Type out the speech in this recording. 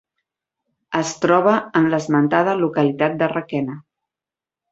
Es troba en l'esmentada localitat de Requena.